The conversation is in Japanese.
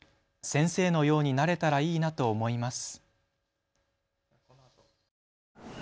先生のようになれたらいいなと思います。